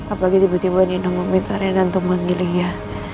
apalagi tiba tiba nino meminta reina untuk memanggil dia